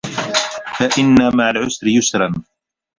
فَإِنَّ مَعَ العُسرِ يُسرًا